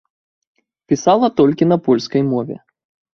Пісала толькі на польскай мове.